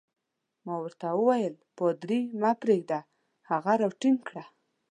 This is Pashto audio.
ما ورته وویل: پادري مه پرېږده، هغه راټینګ کړه.